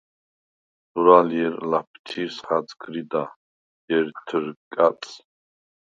ზურალ ჲერ ლა̈ფთირს ხა̈ძგრიდა, ჲერ თჷრკა̈ტს.